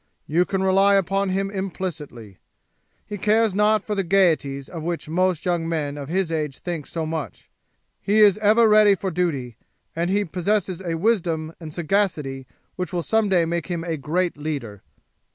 You can rely upon him implicitly. He cares not for the gaieties of which most young men of his age think so much. He is ever ready for duty, and he possesses a wisdom and sagacity which will some day make him a great leader."